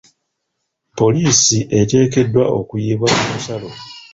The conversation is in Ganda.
poliisi eteekeedwa okuyiibwa ku nsalo.